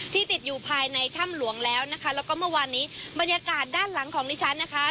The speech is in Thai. ติดอยู่ภายในถ้ำหลวงแล้วนะคะแล้วก็เมื่อวานนี้บรรยากาศด้านหลังของดิฉันนะคะ